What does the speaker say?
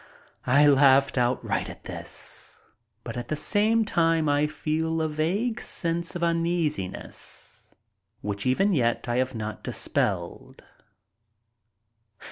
I laughed outright at this, but at the same time I felt a vague sense of uneasiness which even yet I have not dispelled.